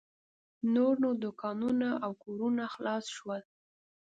نور نو دوکانونه او کورونه خلاص شول.